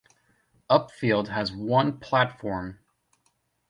Upfield has one platform.